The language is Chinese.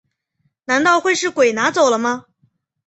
难道会是鬼拿走了吗